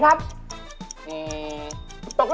ครับผม